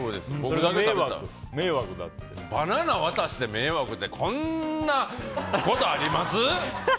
バナナ渡して迷惑やってこんなことあります？